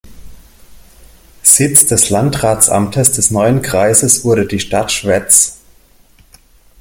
Sitz des Landratsamtes des neuen Kreises wurde die Stadt Schwetz.